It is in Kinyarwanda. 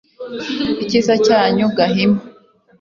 icyiza cyanyu gahima